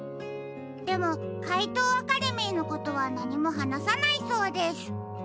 でもかいとうアカデミーのことはなにもはなさないそうです。